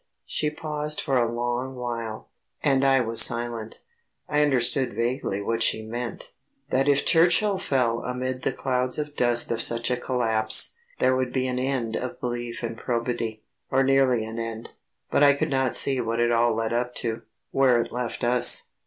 She paused for a long while, and I was silent. I understood vaguely what she meant; that if Churchill fell amid the clouds of dust of such a collapse, there would be an end of belief in probity ... or nearly an end. But I could not see what it all led up to; where it left us.